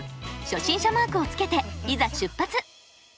初心者マークをつけていざ出発！